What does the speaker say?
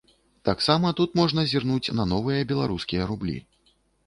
Таксама тут можна зірнуць на новыя беларускія рублі.